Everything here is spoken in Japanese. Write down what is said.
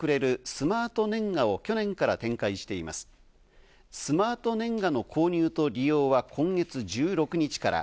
「スマートねんが」の購入と利用は今月１６日から。